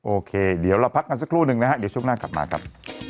โอเคเดี๋ยวเราพักกันสักครู่หนึ่งนะฮะเดี๋ยวช่วงหน้ากลับมาครับ